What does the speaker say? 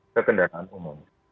ke kendaraan umum